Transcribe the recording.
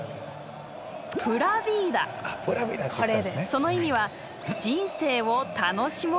その意味は「人生を楽しもう」。